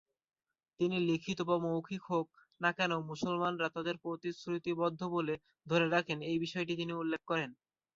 তিনি লিখিত বা মৌখিক হোক না কেন মুসলমানরা তাদের প্রতিশ্রুতিবদ্ধ বলে ধরে রাখেন এই বিষয়টি তিনি উল্লেখ করেন।